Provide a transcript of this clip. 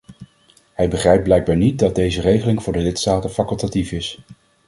Hij begrijpt blijkbaar niet dat deze regeling voor de lidstaten facultatief is.